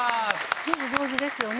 お上手ですよね。